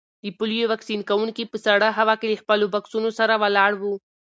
د پولیو واکسین کونکي په سړه هوا کې له خپلو بکسونو سره ولاړ وو.